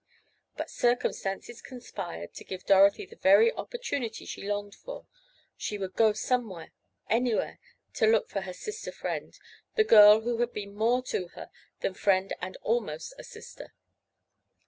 But circumstances conspired to give Dorothy the very opportunity she longed for—she would go somewhere—anywhere—to look for her "sister friend"—the girl who had been to her more than friend and almost a sister.